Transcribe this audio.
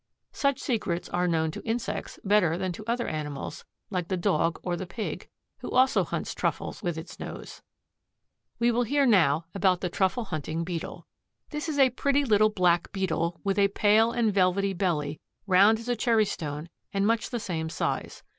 Such secrets are known to insects better than to other animals, like the Dog or the Pig, who also hunts truffles with its nose. We will hear now about the Truffle hunting Beetle. This is a pretty little black Beetle, with a pale and velvety belly, round as a cherry stone and much the same size.